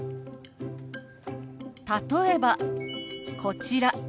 例えばこちら。